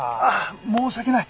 申し訳ない！